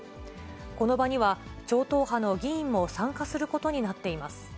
この場には、超党派の議員も参加することになっています。